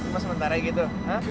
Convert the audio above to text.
masa sementara gitu